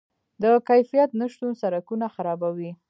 د کیفیت نشتون سرکونه خرابوي.